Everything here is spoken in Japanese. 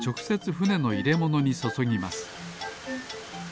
ふねのいれものにそそぎます